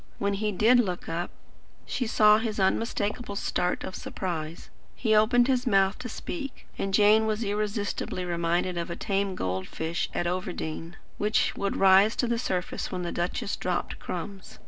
When he did look up, she saw his unmistakable start of surprise. He opened his mouth to speak, and Jane was irresistibly reminded of a tame goldfish at Overdene, which used to rise to the surface when the duchess dropped crumbs.